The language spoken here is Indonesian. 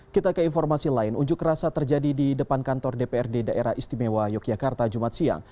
kita ke informasi lain unjuk rasa terjadi di depan kantor dprd daerah istimewa yogyakarta jumat siang